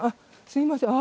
すいません。